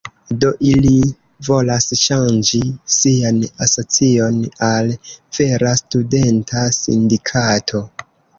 Do ili volas ŝanĝi sian asocion al vera studenta sindikato.